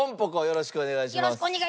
よろしくお願いします。